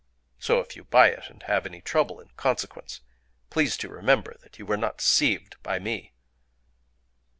So, if you buy it, and have any trouble in consequence, please to remember that you were not deceived by me."